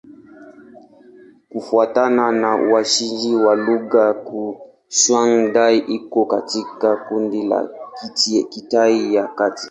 Kufuatana na uainishaji wa lugha, Kizhuang-Dai iko katika kundi la Kitai ya Kati.